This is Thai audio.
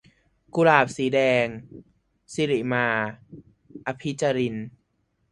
กุหลาบสีแดง - สิริมา อภิจาริน